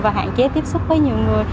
và hạn chế tiếp xúc với nhiều người